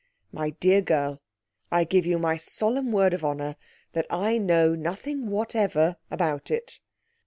'My dear girl, I give you my solemn word of honour that I know nothing whatever about it.'